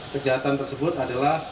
kejahatan tersebut adalah